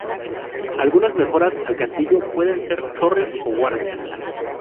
Algunas mejoras al castillo pueden ser torres o guardias.